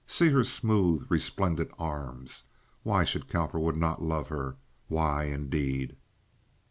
See her smooth, resplendent arms! Why should Cowperwood not love her? Why, indeed?